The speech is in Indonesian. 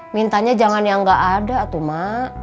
mintanya jangan yang gak ada tuh ma